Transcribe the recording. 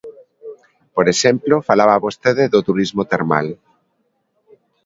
Por exemplo, falaba vostede do turismo termal.